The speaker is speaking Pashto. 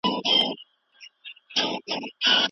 د جملو ترمنځ نښې په املا کي زده کېږي.